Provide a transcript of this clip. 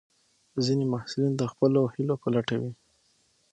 ځینې محصلین د خپلو هیلو په لټه وي.